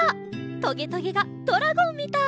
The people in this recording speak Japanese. トゲトゲがドラゴンみたい！